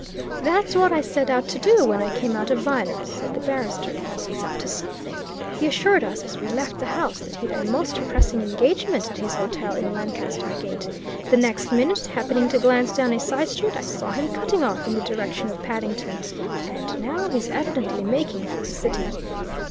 "That's what I set out to do when I came out of Viner's," said the barrister. "He's up to something. He assured us as we left the house that he'd a most pressing engagement at his hotel in Lancaster Gate; the next minute, happening to glance down a side street, I saw him cutting off in the direction of Paddington. And now he's evidently making for the City."